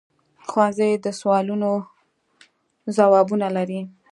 ښوونځی د سوالونو ځوابونه لري